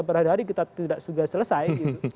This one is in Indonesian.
berhada hari kita tidak sudah selesai